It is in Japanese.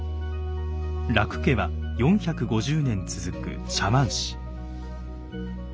樂家は４５０年続く茶碗師。